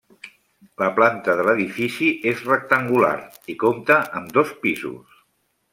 La planta de l'edifici és rectangular i compta amb dos pisos.